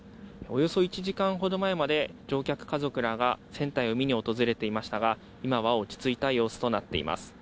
およそ１時間ほど前まで、乗客家族らが船体を見に訪れていましたが、今は落ち着いた様子となっています。